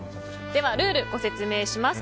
ではルールをご説明します。